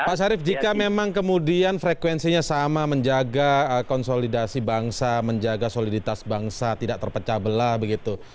pak syarif jika memang kemudian frekuensinya sama menjaga konsolidasi bangsa menjaga soliditas bangsa tidak terpecah belah begitu